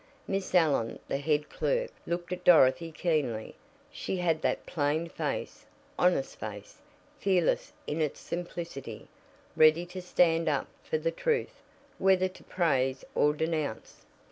Miss Allen, the head clerk, looked at Dorothy keenly. She had that plain face, honest face, fearless in its simplicity, ready to stand up for the truth, whether to praise or denounce.